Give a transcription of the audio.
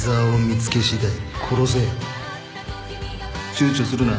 ちゅうちょするな。